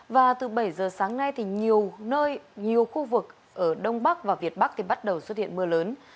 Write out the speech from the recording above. và từ bảy h sáng nay nhiều nơi nhiều khu vực ở đông bắc và việt bắc bắt đầu xuất hiện mưa lớn